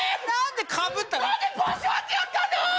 何でかぶったの？